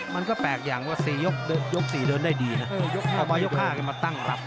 มันก็แปลกอย่างว่าสี่ยกยกสี่เดินได้ดีน่ะเออยกห้ามีโดยตั้งรับ